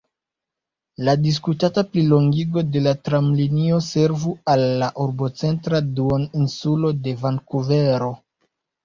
La diskutata plilongigo de la tramlinio servu al la urbocentra duon-insulo de Vankuvero.